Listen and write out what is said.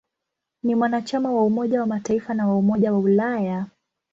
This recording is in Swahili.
Ni mwanachama wa Umoja wa Mataifa na wa Umoja wa Ulaya.